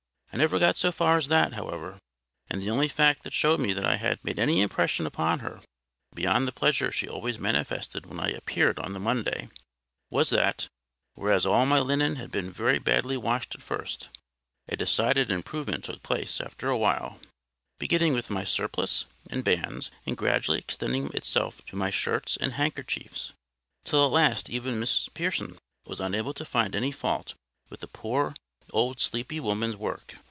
I never got so far as that, however; and the only fact that showed me I had made any impression upon her, beyond the pleasure she always manifested when I appeared on the Monday, was, that, whereas all my linen had been very badly washed at first, a decided improvement took place after a while, beginning with my surplice and bands, and gradually extending itself to my shirts and handkerchiefs; till at last even Mrs Pearson was unable to find any fault with the poor old sleepy woman's work.